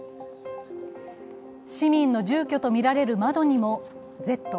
市民の住居と見られる窓にも「Ｚ」。